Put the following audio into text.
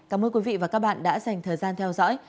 cảm ơn quý vị và các bạn đã dành thời gian theo dõi